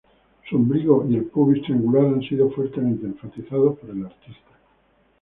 Su ombligo y el pubis triangular ha sido fuertemente enfatizado por el artista.